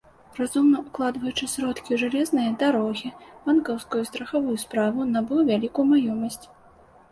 Разумна укладваючы сродкі ў жалезныя дарогі, банкаўскую і страхавую справу, набыў вялікую маёмасць.